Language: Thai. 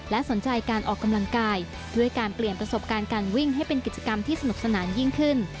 และสนใจการออกกำลังกายด้วยการเปลี่ยนประสบการณ์การวิ่งให้เป็นกิจกรรมที่สนุกสนานยิ่งขึ้น